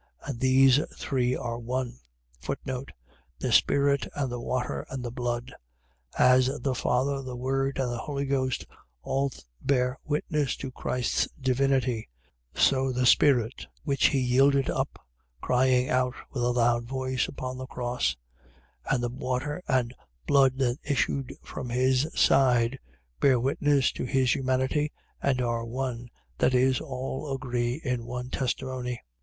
And these three are one. The spirit, and the water, and the blood. . .As the Father, the Word, and the Holy Ghost, all bear witness to Christ's divinity; so the spirit, which he yielded up, crying out with a loud voice upon the cross; and the water and blood that issued from his side, bear witness to his humanity, and are one; that is, all agree in one testimony.